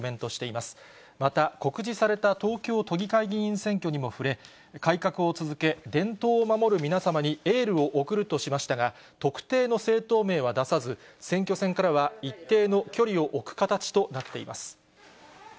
また、告示された東京都議会議員選挙にも触れ、改革を続け、伝統を守る皆様にエールを送るとしましたが、特定の政党名は出さず、選挙戦からは一定の距離を置く形となっています。